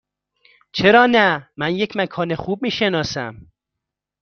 چرا نه؟ من یک مکان خوب می شناسم.